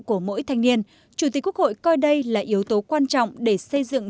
của mỗi thanh niên chủ tịch quốc hội coi đây là yếu tố quan trọng để xây dựng